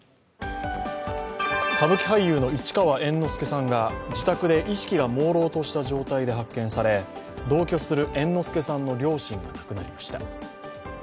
歌舞伎俳優の市川猿之助さんが自宅で意識がもうろうとした状態で発見され、同居する猿之助さんの両親が亡くなりました。